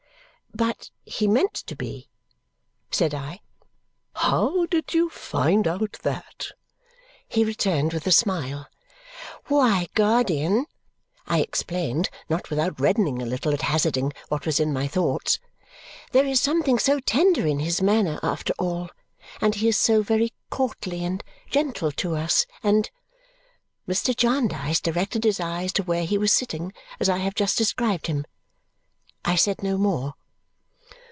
"But he meant to be!" said I. "How did you find out that?" he returned with a smile. "Why, guardian," I explained, not without reddening a little at hazarding what was in my thoughts, "there is something so tender in his manner, after all, and he is so very courtly and gentle to us, and " Mr. Jarndyce directed his eyes to where he was sitting as I have just described him. I said no more.